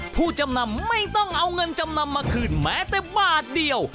ผู้จำนำไม่ต้องเอาเงินจำนำมาคืนแม้แต่บาทเดียว